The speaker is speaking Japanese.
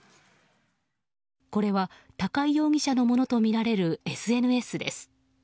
これは高井容疑者のものとみられるＳＮＳです。